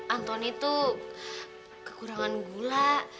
anton itu kekurangan gula